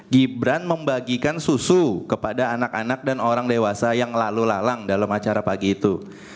gibran membagikan susu kepada anak anak dan orang dewasa yang lalu lalang dalam acara pagi itu